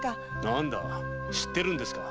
なんだ知ってるんですか？